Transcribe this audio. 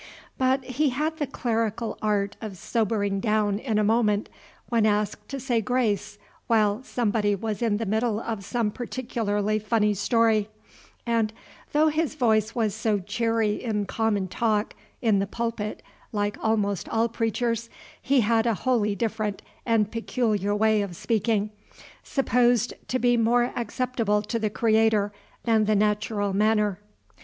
But he had the clerical art of sobering down in a moment, when asked to say grace while somebody was in the middle of some particularly funny story; and though his voice was so cheery in common talk, in the pulpit, like almost all preachers, he had a wholly different and peculiar way of speaking, supposed to be more acceptable to the Creator than the natural manner.